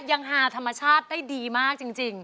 ฮาธรรมชาติได้ดีมากจริง